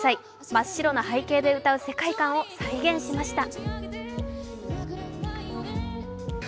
真っ白な背景で歌う世界観を再現しました。